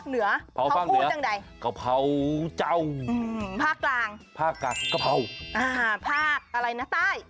แล้วภาคกะเพาภาคเหนือภาคคู่จังไง